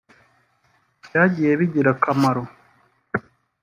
byagiye bigira akamaro